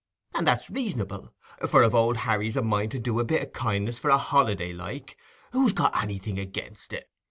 And that's reasonable; for if Old Harry's a mind to do a bit o' kindness for a holiday, like, who's got anything against it?